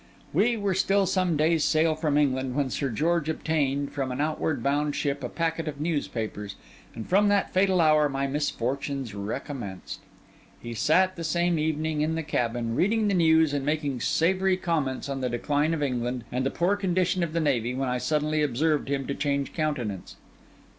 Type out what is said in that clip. We were still some days' sail from England, when Sir George obtained, from an outward bound ship, a packet of newspapers; and from that fatal hour my misfortunes recommenced. He sat, the same evening, in the cabin, reading the news, and making savoury comments on the decline of England and the poor condition of the navy, when I suddenly observed him to change countenance.